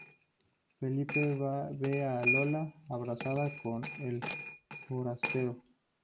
Felipe ve a Lola abrazada con el forastero.